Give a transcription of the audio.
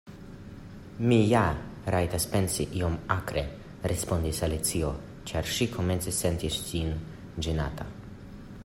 "Mi ja rajtas pensi," iom akre respondis Alicio, ĉar ŝi komencis senti sin ĝenata.